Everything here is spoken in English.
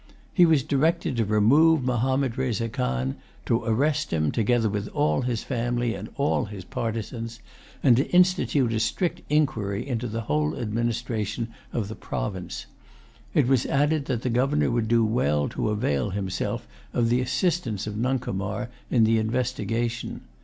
He was directed to remove Mahommed Reza Khan, to arrest him, together with all his family and all his partisans, and to institute a strict inquiry into the whole administration of the province. It was added that the Governor would do well to avail himself of the assistance of Nuncomar in the investigation.